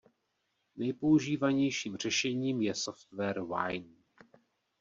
Nejpoužívanějším řešením je software Wine.